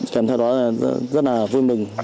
kèm theo đó là rất là vui mừng